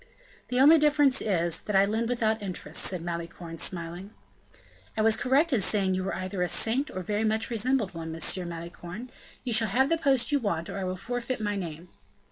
"The only difference is, that I lend without interest," said Malicorne, smiling. "I was correct in saying you were either a saint or very much resembled one. M. Malicorne, you shall have the post you want, or I will forfeit my name."